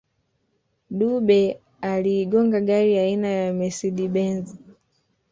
dube aliigonga gari aina ya mercedes benz